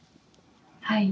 はい。